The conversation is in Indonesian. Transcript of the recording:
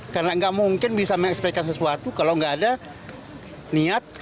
karena nggak mungkin bisa mengekspektikan sesuatu kalau nggak ada niat